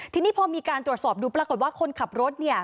ทีนี้พอมีการตรวจสอบดูปรากฏว่าคนขับรถเนี่ย